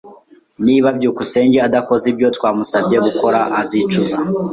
Niba byukusenge adakoze ibyo twamusabye gukora, azicuza.